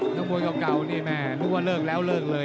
มวยเก่านี่แม่นึกว่าเลิกแล้วเลิกเลย